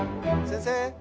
先生？